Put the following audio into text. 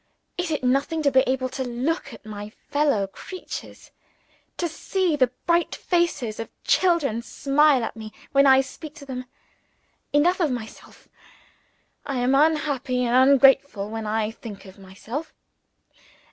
Is it nothing to be able to look at my fellow creatures to see the bright faces of children smile at me when I speak to them? Enough of myself! I am unhappy and ungrateful when I think of myself.